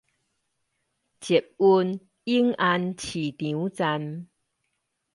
捷運永安市場站